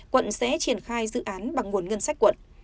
quận sẽ triển khai dự án bằng nguồn ngân sách quận